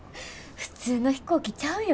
普通の飛行機ちゃうよ。